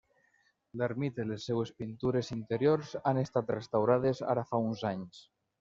L'ermita i les seues pintures interiors han estat restaurades ara fa uns anys.